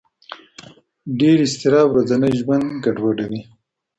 ډېر اضطراب ورځنی ژوند ګډوډوي.